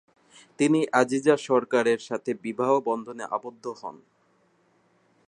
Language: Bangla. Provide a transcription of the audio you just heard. তিনি আজিজা সরকারের সাথে বিবাহ বন্ধনে আবদ্ধ হন।